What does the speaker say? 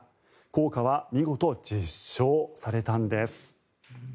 効果は見事、実証されたんです。